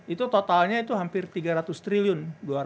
itu totalnya itu hampir tiga ratus triliun